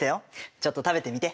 ちょっと食べてみて。